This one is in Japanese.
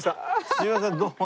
すいませんどうも。